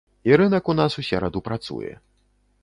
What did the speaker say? І рынак у нас у сераду працуе.